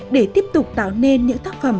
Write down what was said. để tiếp tục tạo nên những tác phẩm